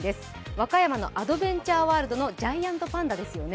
和歌山のアドベンチャーワールドのジャイアントパンダですよね。